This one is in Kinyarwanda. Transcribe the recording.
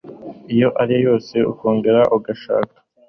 iyo ari yo yose ukongera ugashaka